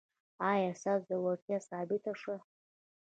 ایا ستاسو زړورتیا ثابته شوه؟